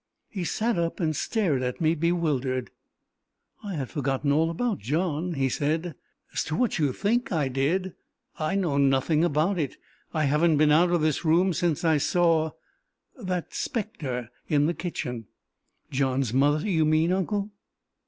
He sat up, and stared at me, bewildered. "I had forgotten all about John!" he said. "As to what you think I did, I know nothing about it. I haven't been out of this room since I saw that spectre in the kitchen." "John's mother, you mean, uncle?"